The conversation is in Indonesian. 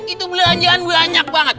itu belanjaan banyak banget